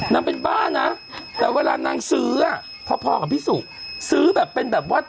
นางเป็นบ้านะแต่เวลานางซื้ออ่ะพอกับพี่สุซื้อแบบเป็นแบบว่า